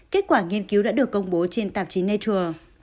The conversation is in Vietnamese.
kết quả nghiên cứu đã được công bố trên tạp chí nature